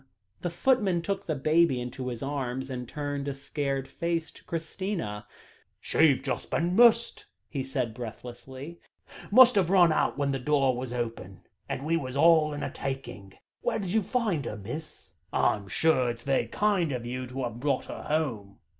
The footman took the baby into his arms, and turned a scared face to Christina. "She've just been missed," he said breathlessly; "must have run out when the door was open; and we was all in a taking. Where did you find her, miss? I'm sure it's very kind of you to have brought her home."